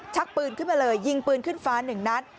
ปืนขึ้นมาเลยยิงปืนขึ้นฟ้าหนึ่งนัด